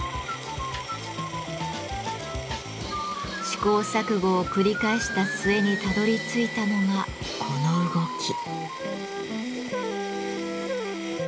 試行錯誤を繰り返した末にたどりついたのがこの動き。